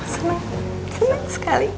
senang senang sekali